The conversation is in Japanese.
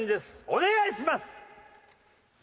お願いします！